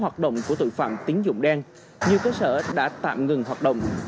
học động của tự phạm tín dụng đen như cơ sở đã tạm ngừng hoạt động